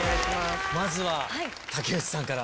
まずは竹内さんから。